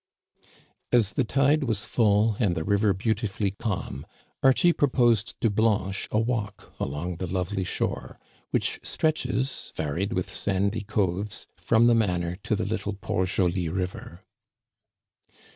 As the tide was full and the river beautifully calm, Archie proposed to Blanche a walk along the lovely shore, which stretches— varied with sandy coves — from the manor to the little Port Joli River.